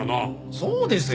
そうですよ。